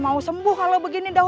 aku akan menangkan gusti ratu